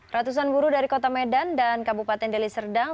ratusan buruh dari kota medan dan kabupaten deli serdang